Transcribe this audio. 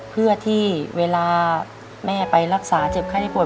เพื่อที่เวลาแม่ไปรักษาเจ็บไข้ได้ปวด